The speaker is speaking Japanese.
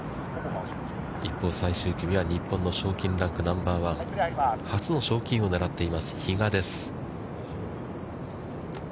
一方最終組は、日本の賞金ランクナンバーワン初の賞金王を狙っています比嘉です。